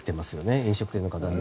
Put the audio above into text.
飲食店の方は。